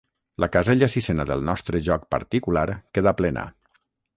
La casella sisena del nostre joc particular queda plena.